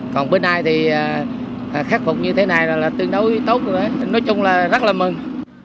còn bữa nay thì khắc phục như thế này là tương đối tốt rồi đấy nói chung là rất là mừng